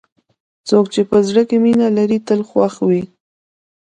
څوک چې په زړه کې مینه لري، تل خوښ وي.